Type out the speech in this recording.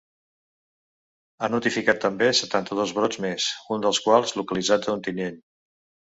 Ha notificat també setanta-dos brots més, un dels quals localitzat a Ontinyent.